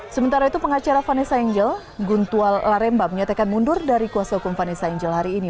sementara itu pengacara vanessa angel guntual laremba menyatakan mundur dari kuasa hukum vanessa angel hari ini